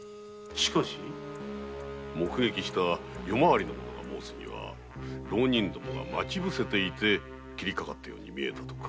しかし？目撃した夜回りの者が申すには浪人どもが待ち伏せていて斬りかかったように見えたとか。